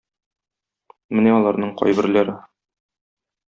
Менә аларның кайберләре.